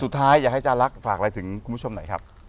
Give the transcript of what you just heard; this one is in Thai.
สุดท้ายอยากให้จ้าลักษณ์ฝากอะไรถึงคุณผู้ชมหน่อยครับ